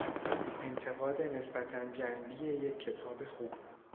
انتقاد نسبتا جنبی یک کتاب خوب